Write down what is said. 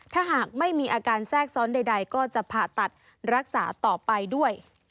ถ้าหากไม่มีอาการแทรกซ้อนใดก็จะผ่าตัดรักษาต่อไปด้วย